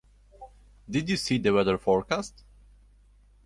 Did you see the weather forecast?